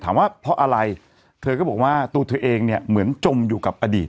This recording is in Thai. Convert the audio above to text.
ว่าเพราะอะไรเธอก็บอกว่าตัวเธอเองเนี่ยเหมือนจมอยู่กับอดีต